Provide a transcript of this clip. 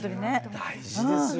大事ですよ